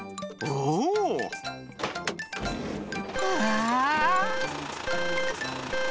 うわ！